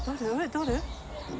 誰？